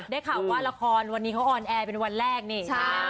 ได้ข่าวว่าละครวันนี้เขาออนแอร์เป็นวันแรกนี่